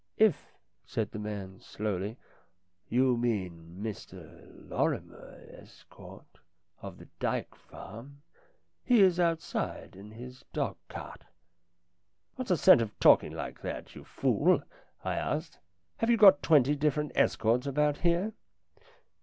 "If," said the man slowly, "you mean Mr Lorrimer Estcourt, of the Dyke Farm, he is outside in his dog cart." "What's the sense of talking like that, you 276 STORIES IN GREY fool ?" I asked. " Have you got twenty different Estcourts about here